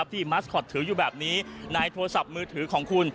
มัสคอตถืออยู่แบบนี้ในโทรศัพท์มือถือของคุณ